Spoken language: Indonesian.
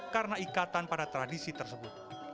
karena ikatan pada tradisi tersebut